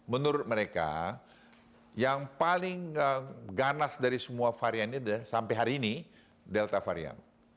menurut mereka yang paling ganas dari semua varian ini sampai hari ini delta varian